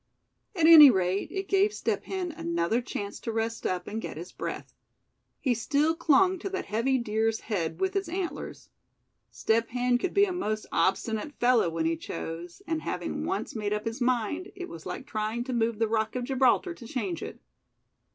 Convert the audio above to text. At any rate it gave Step Hen another chance to rest up, and get his breath. He still clung to that heavy deer's head with its antlers. Step Hen could be a most obstinate fellow when he chose; and having once made up his mind, it was like trying to move the rock of Gibraltar to change it.